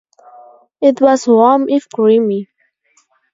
It was warm, if grimy.